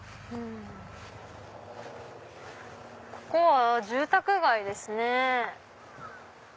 ここは住宅街ですね。